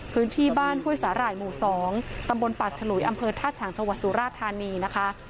พื้นที่บ้านห้วยสาหร่ายหมู่๒ตำบลปากฉลุยอำเภอท่าฉางจังหวัดสุราธานีนะคะ